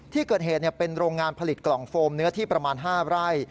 ที่เกิดเหตุเป็นโรงงานผลิตกล่องโฟมเนื้อที่ประมาณ๕ไร่